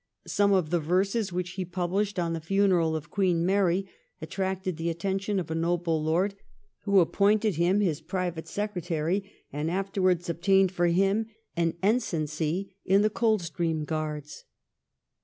Some of the verses which he published on the funeral of Queen Mary attracted the attention of a noble lord who appointed him his private secretary and afterwards obtained for him an ensigncy in the Coldstream Guards.